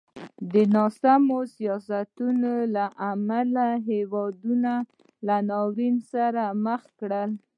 د ناسمو سیاستونو له امله یې هېوادونه له ناورین سره مخ کړل.